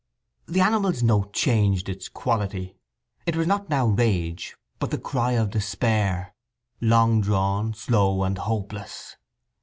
The animal's note changed its quality. It was not now rage, but the cry of despair; long drawn, slow and hopeless.